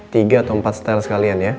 tiga atau empat style sekalian ya